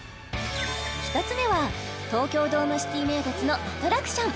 １つ目は東京ドームシティ名物のアトラクション